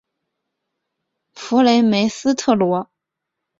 弗雷梅斯特罗。